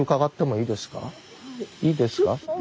いいです！